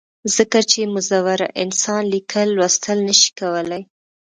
ځکه چې معذوره انسان ليکل، لوستل نۀ شي کولی